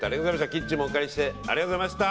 キッチンもお借りしてありがとうございました！